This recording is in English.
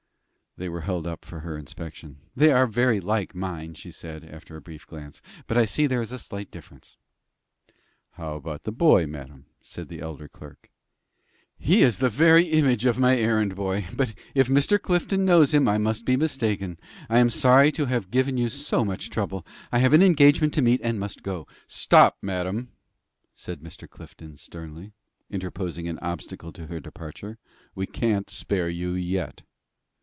They were held up for her inspection. "They are very like mine," she said, after a brief glance; "but I see there is a slight difference." "How about the boy, madam?" asked the elder clerk. "He is the very image of my errand boy; but if Mr. Clifton knows him, I must be mistaken. I am sorry to have given you so much trouble. I have an engagement to meet, and must go." "Stop, madam!" said Mr. Clifton, sternly, interposing an obstacle to her departure, "we can't spare you yet."